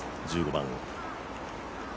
１５番。